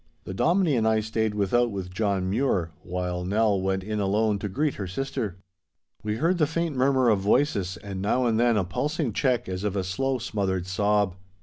The Dominie and I stayed without with John Mure, while Nell went in alone to greet her sister. We heard the faint murmur of voices and now and then a pulsing check as of a slow, smothered sob.